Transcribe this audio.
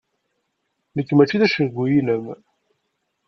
Nekk mačči d acengu-inem.